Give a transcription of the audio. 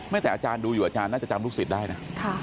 อาจารย์ดูอยู่อาจารย์น่าจะจำลูกศิษย์ได้นะ